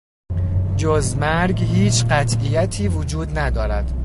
جز مرگ هیچ قطعیتی وجود ندارد.